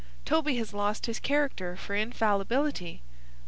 "Toby has lost his character for infallibility."